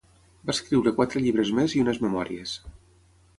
Va escriure quatre llibres més i unes memòries.